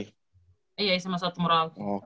iya sma satu merauke